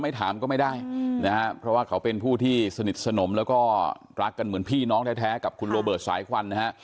ถามก็ไม่ได้นะฮะเพราะว่าเขาเป็นผู้ที่สนิทสนมแล้วก็รักกันเหมือนพี่น้องแท้กับคุณโรเบิร์ตสายควันนะฮะ